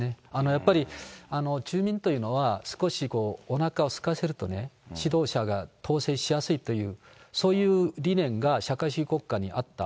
やっぱり住民というのは、少しおなかすかせるとね、指導者が統制しやすいという、そういう理念が社会主義国家にあった、